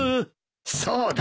そうだ。